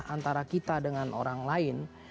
antara kita dengan orang lain